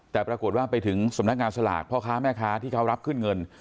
แต่ปรากฏว่าไปถึงสำนักงานสลากพ่อค้าแม่ค้าที่เขารับขึ้นเงิน